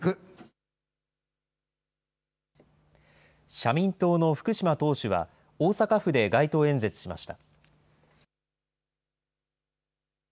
社民党の福島党首は、大阪府で街頭演説しました。